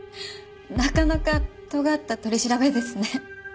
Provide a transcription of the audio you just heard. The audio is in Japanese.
なかなかとがった取り調べですね。